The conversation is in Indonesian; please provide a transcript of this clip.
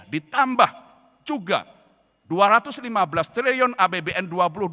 ditambah juga dua ratus lima belas triliun apbn dua ribu dua puluh